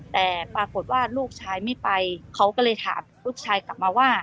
แต่ปรากฏว่าลูกชายไม่ไปเขาก็เลยถามลูกชายกลับมาว่า